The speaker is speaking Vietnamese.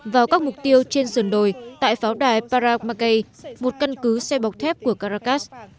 vào các mục tiêu trên sườn đồi tại pháo đài paragmacai một căn cứ xe bọc thép của caracas